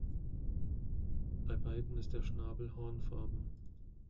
Bei beiden ist der Schnabel hornfarben.